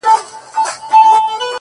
زما کار نسته بُتکده کي؛ تر کعبې پوري؛